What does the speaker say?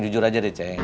jujur aja deh ceng